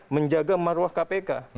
menjaga maruah kpk